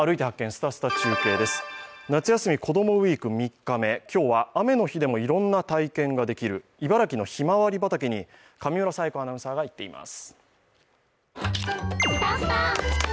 すたすた中継」です「夏休み子どもＷＥＥＫ」３日目、今日は雨の日でもいろんな体験ができる茨城のひまわり畑に上村彩子アナウンサーが行っています。